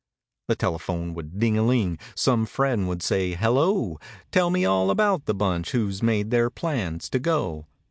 The telephone would ding a ling, some friend would say "Hello!" Tell me all about the bunch who's made their plans to go.